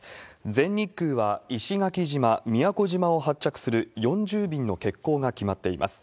全日空は、石垣島、宮古島を発着する４０便の欠航が決まっています。